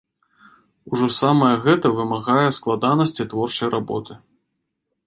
Ужо само гэта вымагае складанасці творчай работы.